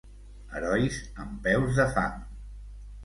Herois amb peus de fang.